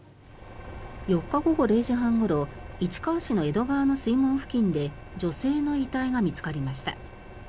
４日午後０時半ごろ市川市の江戸川の水門付近で女性の遺体が見つかりました。